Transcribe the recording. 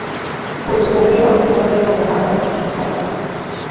kutuhumiwa kuwa vyombo vya habari vya kimataifa